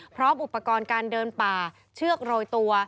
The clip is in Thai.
พร้อมอุปกรณ์การเดินป่าเชือกโรยตัว